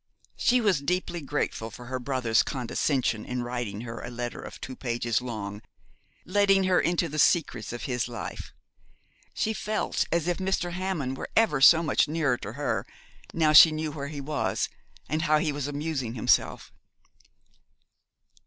She was deeply grateful for her brother's condescension in writing her a letter of two pages long, letting her into the secrets of his life. She felt as if Mr. Hammond were ever so much nearer to her now she knew where he was, and how he was amusing himself.